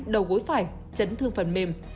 đầu gối phải chấn thương phần mềm